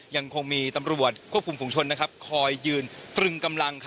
ยังคงมีตำรวจควบคุมฝุงชนคอยยืนตรึงกำลัง